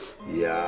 いや。